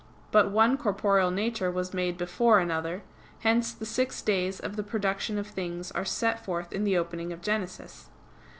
But one corporeal nature was made before another; hence the six days of the production of things are set forth in the opening of Genesis.